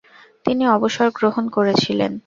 তিনি অবসর গ্রহণ করেছিলেন।